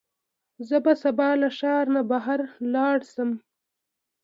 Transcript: زه به سبا له ښار نه بهر لاړ شم.